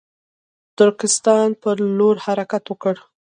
ترکستان پر لور حرکت وکړ.